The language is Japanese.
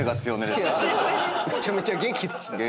めちゃめちゃ元気でしたね。